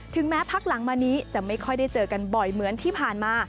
แม้พักหลังมานี้จะไม่ค่อยได้เจอกันบ่อยเหมือนที่ผ่านมา